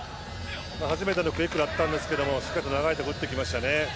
初めてのクイック攻撃だったんですがしっかりと長いところに打ってきましたね。